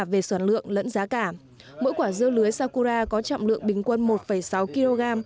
mỗi quả dưa lưới sakura có trọng lượng bình quân một sáu kg